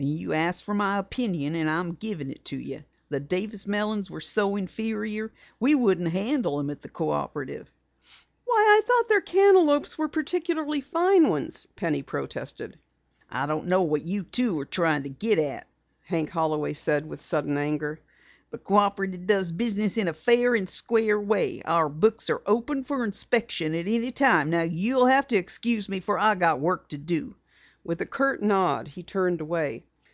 "You asked for my opinion and I'm giving it to you. The Davis melons were so inferior we wouldn't handle them at the cooperative." "Why, I thought their cantaloupes were particularly fine ones!" Penny protested. "I don't know what you two are trying to get at!" Hank Holloway said with sudden anger. "The Cooperative does business in a fair and square way. Our books are open for inspection at any time. Now you'll have to excuse me, for I've got work to do." With a curt nod, he turned away.